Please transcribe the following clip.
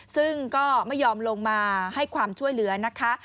ซึ่งก็ไม่ยอมลงมาให้ความช่วยเหลือนะคะ